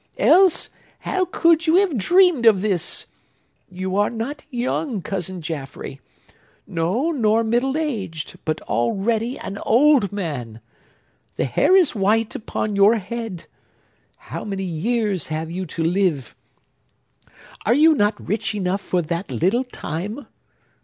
Else, how could you have dreamed of this? You are not young, Cousin Jaffrey!—no, nor middle aged,—but already an old man! The hair is white upon your head! How many years have you to live? Are you not rich enough for that little time?